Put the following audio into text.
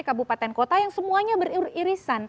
kabupaten kota yang semuanya beriris irisan